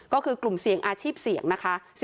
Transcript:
ก็คือกลุ่มเสี่ยงอาชีพเสี่ยงนะคะ